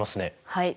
はい。